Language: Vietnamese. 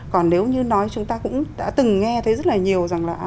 còn nếu như nói chúng ta cũng đã từng nghe thấy rất là nhiều rằng là